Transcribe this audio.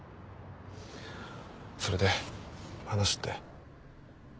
それで話って？